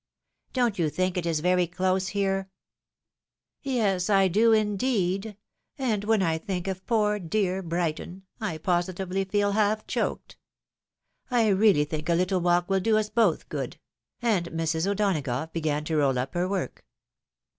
Don't you think it is very close here ?"" Yes, I do, indeed — and when I think of poor dear Brighton, I positively feel half choked. I really think a little walk will do us bof^h good ;" and Mrs. O'Donagough began to roU up her work.